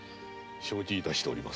承知致しております。